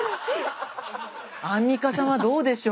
アンミカさんはどうでしょう？